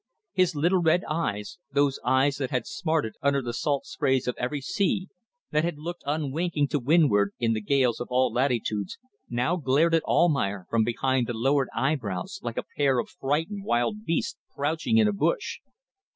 His little red eyes those eyes that had smarted under the salt sprays of every sea, that had looked unwinking to windward in the gales of all latitudes now glared at Almayer from behind the lowered eyebrows like a pair of frightened wild beasts crouching in a bush.